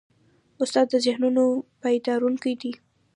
استاد د ذهنونو بیدارونکی دی.